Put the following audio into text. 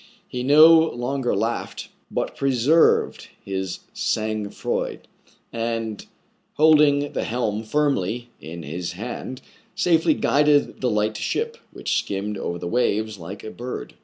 He no longer laughed, but preserved his sang froid, and, holding the helm firmly in his hand, safely guided the light ship, which skimmed over the waves like a bird.